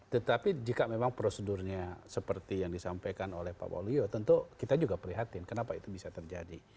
tetapi jika memang prosedurnya seperti yang disampaikan oleh pak waluyo tentu kita juga prihatin kenapa itu bisa terjadi